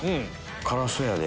辛そうやで。